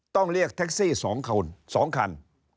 ต้องเรียกแท็กซี่๒คน๒คัน